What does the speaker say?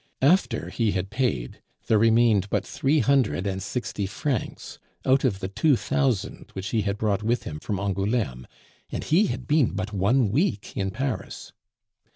After he had paid, there remained but three hundred and sixty francs out of the two thousand which he had brought with him from Angouleme, and he had been but one week in Paris!